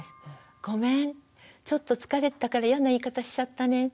ごめんちょっと疲れてたからイヤな言い方しちゃったねって。